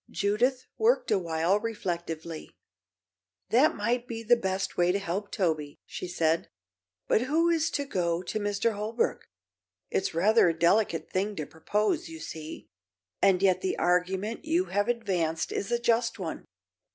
Judith worked a while reflectively. "That might be the best way to help Toby," she said. "But who is to go to Mr. Holbrook? It's a rather delicate thing to propose, you see, and yet the argument you have advanced is a just one.